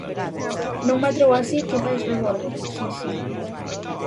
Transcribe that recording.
Nun metro ou así quizais reborde, si, si.